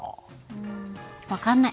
うん分かんない。